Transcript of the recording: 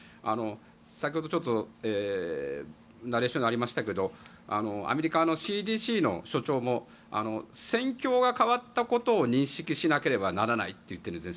先ほどナレーションでありましたがアメリカのＣＤＣの所長も戦況が変わったことを認識しなければならないと言っているんですね。